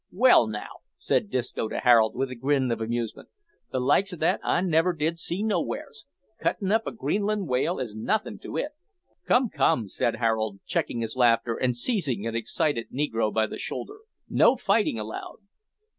"Well, now," said Disco to Harold, with a grin of amusement, "the likes o' that I never did see nowheres. Cuttin' up a Greenland whale is nothin' to it." "Come, come," said Harold, checking his laughter and seizing an excited negro by the shoulder, "no fighting allowed."